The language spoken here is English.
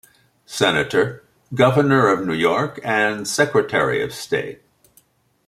Senator, governor of New York, and Secretary of State.